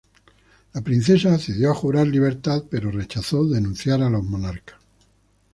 La princesa accedió a jurar libertad pero rechazó denunciar a los monarcas.